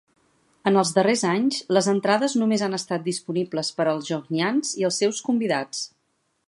En els darrers anys, les entrades només han estat disponibles per als Johnians i els seus convidats.